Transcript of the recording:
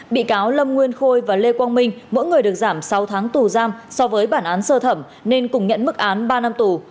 bị cáo lâm nguyên khôi và lê quang minh mỗi người được giảm sáu tháng tù giam so với bản án sơ thẩm nên cùng nhận mức án ba năm tù